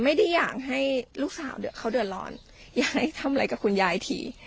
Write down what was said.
ไม่ได้อยากให้ลูกสาวเขาเดือดร้อนอยากให้ทำอะไรกับคุณยายที